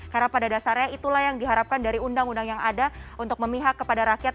karena pada dasarnya itulah yang diharapkan dari undang undang yang ada untuk memihak kepada rakyat